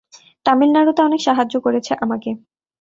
তামিলনাড়ুতে অনেক সাহায্য করেছে আমাকে।